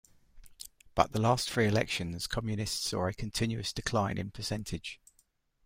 But the last three elections communists saw a continuous decline in percentage.